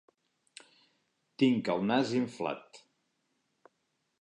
Tinc el nas inflat.